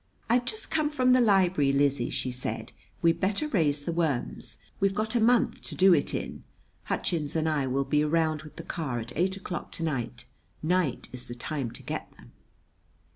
"I've just come from the library, Lizzie," she said. "We'd better raise the worms. We've got a month to do it in. Hutchins and I will be round with the car at eight o'clock to night. Night is the time to get them."